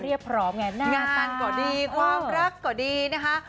พร้อมไงหน้างานกันก็ดีความรักก็ดีนะคะ